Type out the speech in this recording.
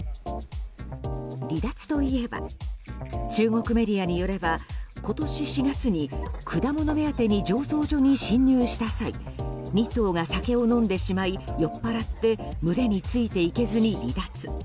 離脱といえば中国メディアによれば今年４月に果物目当てに醸造所に侵入した際２頭が酒を飲んでしまい酔っぱらって群れについていけず離脱。